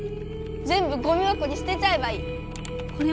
ぜんぶゴミ箱にすてちゃえばいい！